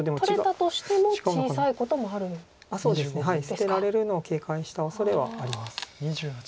捨てられるのを警戒したおそれはあります。